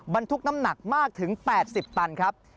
บรรทุกน้ำหนักมากถึง๘๐ตันครับ